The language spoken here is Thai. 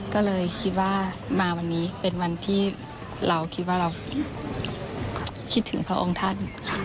ก็เลยคิดว่ามาวันนี้เป็นวันที่เราคิดว่าเราคิดถึงพระองค์ท่าน